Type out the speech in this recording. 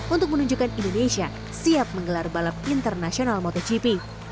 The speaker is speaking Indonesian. untuk menunjukkan indonesia siap menggelar balap internasional motogp